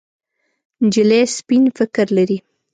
نجلۍ سپين فکر لري.